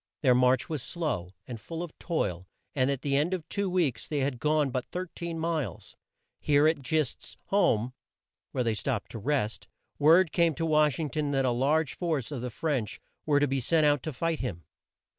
Their march was slow, and full of toil, and at the end of two weeks they had gone but 13 miles. Here at Gist's home, where they stopped to rest, word came to Wash ing ton that a large force of the French were to be sent out to fight him.